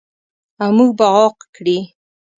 او موږ به عاق کړي.